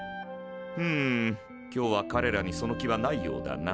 ふむ今日はかれらにその気はないようだな。